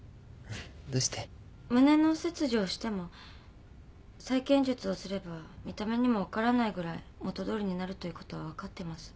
胸の切除をしても再建術をすれば見た目にも分からないぐらい元どおりになるということは分かってます。